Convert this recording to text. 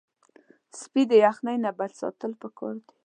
سپي د یخنۍ نه بچ ساتل پکار دي.